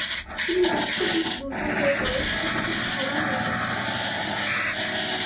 তিনি দেখতে বেশ দূর্বল হয়ে পড়েন ও তাকে খেলানো উচিত না।